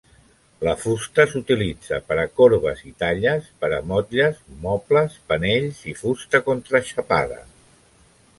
La fusta s'utilitza per a corbes i talles, per a motlles, mobles, panells i fusta contraxapada.